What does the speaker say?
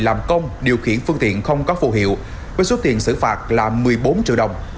làm công điều khiển phương tiện không có phù hiệu với số tiền xử phạt là một mươi bốn triệu đồng